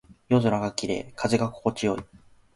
夜空が綺麗。風が心地よい。